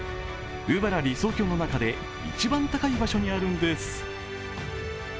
鵜原理想郷の中で一番高い場所にあるんです。